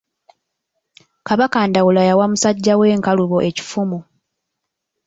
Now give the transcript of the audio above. Kabaka Ndawula yawa musajja we Nkalubo ekifumu.